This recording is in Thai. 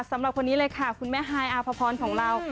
สำหรับคนนี้เลยค่ะคุณแม่ฮายอาภพรของเรา